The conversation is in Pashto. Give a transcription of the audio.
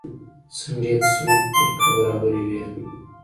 څنډې يې د سنت په طريقه برابرې وې.